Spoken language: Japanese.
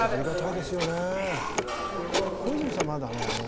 小泉さんまだね